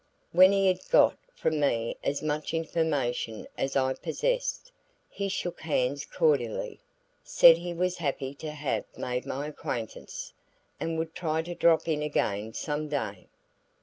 When he had got from me as much information as I possessed, he shook hands cordially, said he was happy to have made my acquaintance, and would try to drop in again some day.